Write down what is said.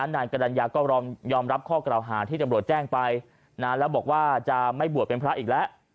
นายกรรณญาก็ยอมรับข้อกล่าวหาที่ตำรวจแจ้งไปแล้วบอกว่าจะไม่บวชเป็นพระอีกแล้ว